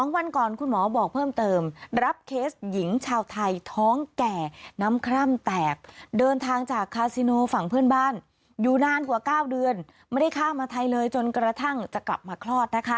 วันก่อนคุณหมอบอกเพิ่มเติมรับเคสหญิงชาวไทยท้องแก่น้ำคร่ำแตกเดินทางจากคาซิโนฝั่งเพื่อนบ้านอยู่นานกว่า๙เดือนไม่ได้ข้ามมาไทยเลยจนกระทั่งจะกลับมาคลอดนะคะ